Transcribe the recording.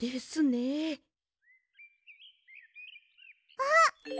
あっ！